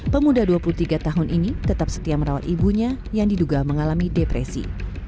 pemuda dua puluh tiga tahun ini tetap setia merawat ibunya yang diduga mengalami depresi